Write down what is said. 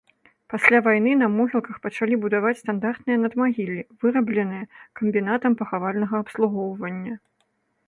Пасля вайны на могілках пачалі будаваць стандартныя надмагіллі, вырабленыя камбінатам пахавальнага абслугоўвання.